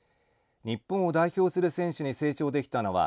日本を代表する選手に成長できたのは